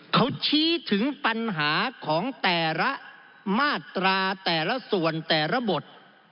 เขาชี้ถึงปัญหาของแต่ละมาตราแต่ละส่วนแต่ละบท